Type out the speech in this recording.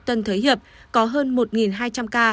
tân thới hiệp có hơn một hai trăm linh ca